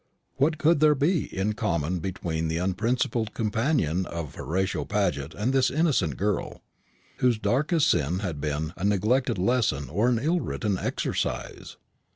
What could there be in common between the unprincipled companion of Horatio Paget and this innocent girl, whose darkest sin had been a neglected lesson or an ill written exercise?